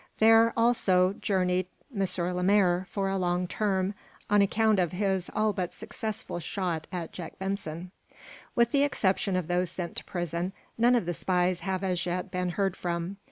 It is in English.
There, also, journeyed M. Lemaire, for a long term, on account of his all but successful shot at Jack Benson. With the exception of those sent to prison none of the spies have as yet been heard from.